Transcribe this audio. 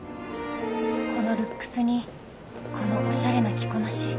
このルックスにこのオシャレな着こなし